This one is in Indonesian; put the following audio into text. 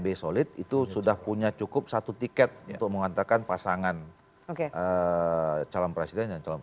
dan kib solid itu sudah punya cukup satu tiket untuk mengantarkan pasangan calon presiden